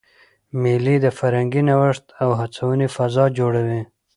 مېلې د فرهنګي نوښت او هڅوني فضا جوړوي.